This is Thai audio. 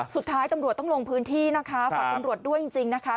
สุดท้ายตำรวจต้องลงพื้นที่นะคะฝากตำรวจด้วยจริงนะคะ